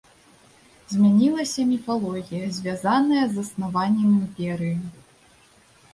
Змянілася міфалогія, звязаная з заснаваннем імперыі.